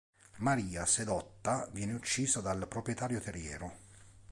Maria, sedotta viene uccisa dal proprietario terriero.